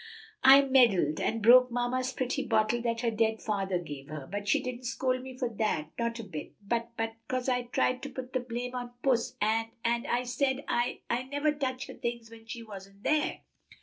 "I meddled and broke mamma's pretty bottle that her dead father gave her; but she didn't scold me for that; not a bit; but but 'cause I tried to put the blame on puss, and and said I I never touched her things when she wasn't here."